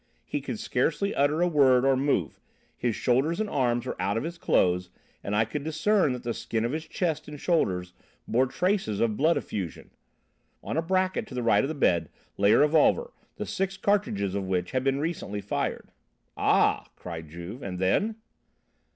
He could scarcely utter a word or move. His shoulders and arms were out of the clothes, and I could discern that the skin of his chest and shoulders bore traces of blood effusion. On a bracket to the right of the bed lay a revolver, the six cartridges of which had been recently fired." "Ah!" cried Juve. "And then?"